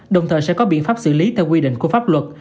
đồng thời sẽ có biện pháp xử lý theo quy định của pháp luật